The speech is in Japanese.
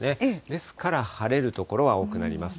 ですから晴れる所が多くなります。